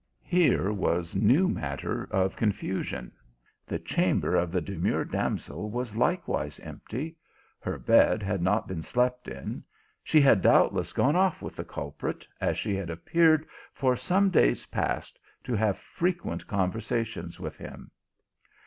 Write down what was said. Here was new matter of confusion. The chamber of the demure damsel was likewise empty; her bed had not been slept in ; she had doubtless e^one off 268 THE ALHAMBRA. with, the culprit, as she had appeared, for some days past, to have frequent conversations with him.